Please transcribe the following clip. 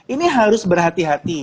ini harus berhati hati